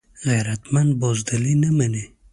غیرتمند بزدلي نه مني